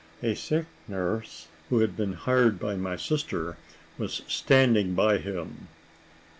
A sick nurse, who had been hired by my sister, was standing by him.